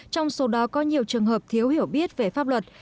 trong số đó có nhiều trường hợp thiếu hiểu biết về pháp luật